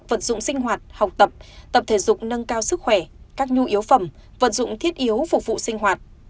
vật dụng sinh hoạt học tập tập thể dục nâng cao sức khỏe các nhu yếu phẩm vật dụng thiết yếu phục vụ sinh hoạt